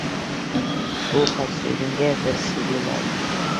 بۇ پاك سۆيگۈمگە بىر سىزلا لايىق.